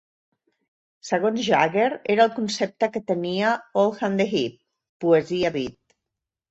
Segons Jagger, era el concepte que tenia Oldham de hip, poesia Beat.